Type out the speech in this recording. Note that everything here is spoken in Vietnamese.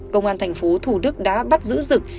công an thành phố thủ đức đã bắt giữ dực